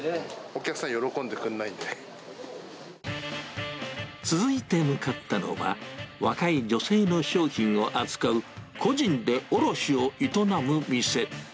お客さん、喜んでくれないん続いて向かったのは、若い女性の商品を扱う、個人で卸を営む店。